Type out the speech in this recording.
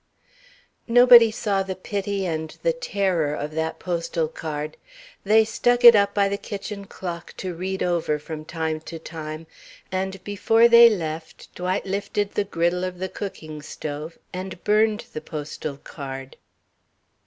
Nobody saw the pity and the terror of that postal card. They stuck it up by the kitchen clock to read over from time to time, and before they left, Dwight lifted the griddle of the cooking stove and burned the postal card.